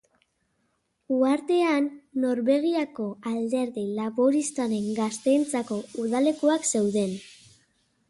Uhartean Norvegiako Alderdi Laboristaren gazteentzako udalekuak zeuden.